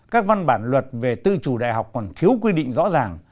các văn bản luật về tự chủ đại học còn thiếu quy định rõ ràng